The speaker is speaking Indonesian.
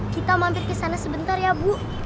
kita mampir kesana sebentar ya bu